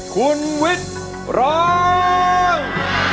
คุณวิทย์ร้อง